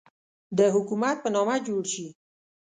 د حکومت په نامه جوړ شي.